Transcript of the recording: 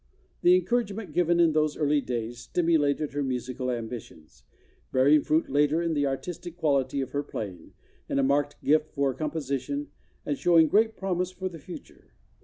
The encouragement given in those early days stimulated her musical ambitions, bearing fruit later in the artistic quality of her playing, in a marked gift for composi¬ tion, and showing great promise for the future.